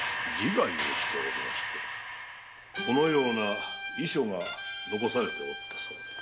このような遺書が残されておりました。